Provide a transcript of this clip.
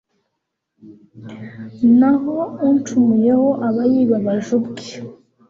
naho uncumuyeho aba yibabaje ubwe